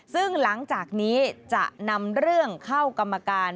ซึ่งหลังจากนี้จะนำเรื่องเข้ากรรมการ